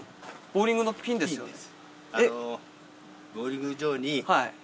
ボウリングのピンですよね。